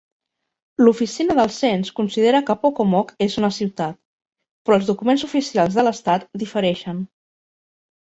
L'oficina del cens considera que Pocomoke és una ciutat, però els documents oficials de l'estat difereixen.